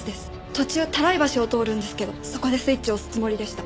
途中多良伊橋を通るんですけどそこでスイッチを押すつもりでした。